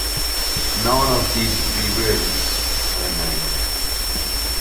None of these breweries remain.